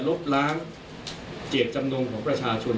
บล้างเจตจำนงของประชาชน